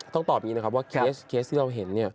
ต้องตอบอย่างนี้นะครับว่าเคสที่เราเห็น